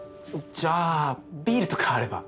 じゃあビールとかあれば。